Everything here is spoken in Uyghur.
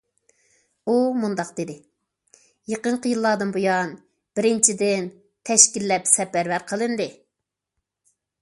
ئۇ مۇنداق دېدى: يېقىنقى يىللاردىن بۇيان، بىرىنچىدىن تەشكىللەپ سەپەرۋەر قىلىندى.